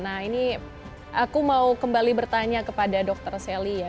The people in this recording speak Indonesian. nah ini aku mau kembali bertanya kepada dr sally ya